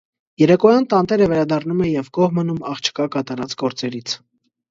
Երեկոյան տանտերը վերադառնում է և գոհ մնում աղջկա կատարած գործերից։